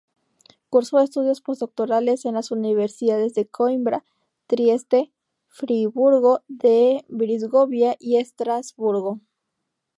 Cursó estudios posdoctorales en las Universidades de Coimbra, Trieste, Friburgo de Brisgovia y Estrasburgo.